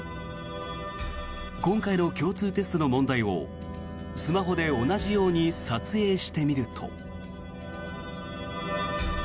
今回の共通テストの問題をスマホで同じように撮影してみると。